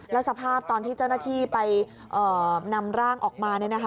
แล้วสภาพตอนที่เจ้าหน้าที่ไปนำร่างออกมา